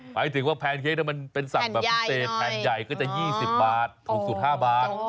หมายถึงว่าแพนเค้กมันเป็นสั่งแบบพิเศษแพนใหญ่ก็จะ๒๐บาทถูกสุด๕บาท